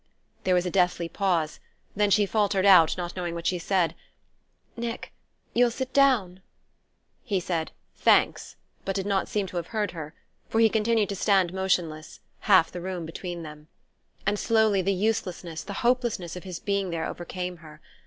There was a deathly pause; then she faltered out, not knowing what she said: "Nick you'll sit down?" He said: "Thanks," but did not seem to have heard her, for he continued to stand motionless, half the room between them. And slowly the uselessness, the hopelessness of his being there overcame her.